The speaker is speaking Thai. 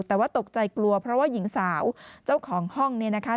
แต่ว่าตกใจกลัวเพราะว่าหญิงสาวเจ้าของห้องเนี่ยนะคะ